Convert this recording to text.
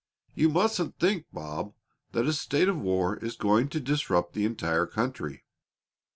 "You mustn't think, Bob, that a state of war is going to disrupt the entire country.